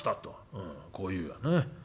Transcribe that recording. うんこう言うよね。